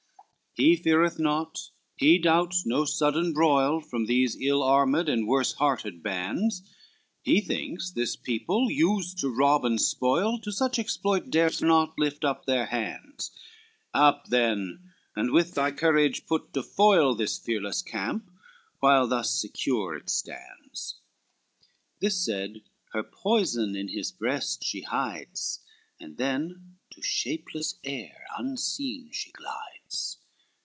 XI "He feareth naught, he doubts no sudden broil From these ill armed and worse hearted bands, He thinks this people, used to rob and spoil, To such exploit dares not lift up their hands; Up then and with thy courage put to foil This fearless camp, while thus secure it stands." This said, her poison in his breast she hides, And then to shapeless air unseen she glides.